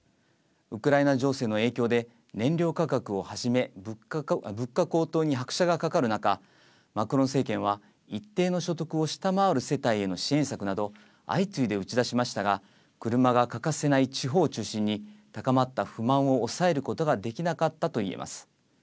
ウクライナ情勢の影響で燃料価格をはじめ物価高騰に拍車がかかる中マクロン政権は一定の所得を下回る世帯への支援策など相次いで、打ち出しましたが車が欠かせない地方を中心に高まった不満を抑えることができなかったといえます。